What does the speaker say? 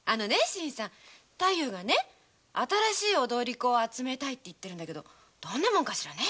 新さん太夫がね新しい踊り子を集めたいって言ってるんだけどどんなもんかしらね？